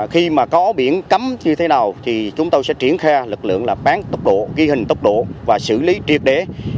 khi mà có biển cấm như thế nào thì chúng tôi sẽ triển khai lực lượng là bán tốc độ ghi hình tốc độ và xử lý triệt đế